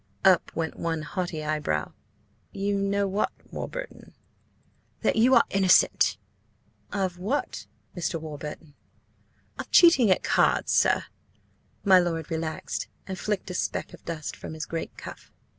Up went one haughty eyebrow. "You know what, Mr. Warburton?" "That you are innocent!" "Of what, Mr. Warburton?" "Of cheating at cards, sir!" My lord relaxed, and flicked a speck of dust from his great cuff.